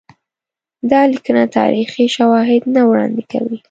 دا لیکنه تاریخي شواهد نه وړاندي کوي.